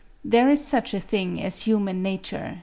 There is such a thing as human nature